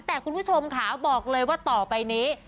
แต่คุณผู้ชมค่ะบอกเลยว่าต่อไปนี้